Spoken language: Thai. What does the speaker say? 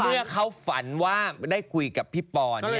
เมื่อเขาฝันว่าได้คุยกับพี่ปอ